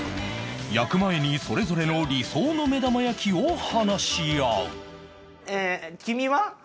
焼く前にそれぞれの理想の目玉焼きを話し合う